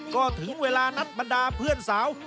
ก็ถึงเวลานัดบรรดาเพื่อนสาว